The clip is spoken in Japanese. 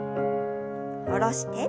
下ろして。